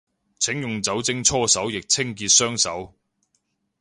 請用酒精搓手液清潔雙手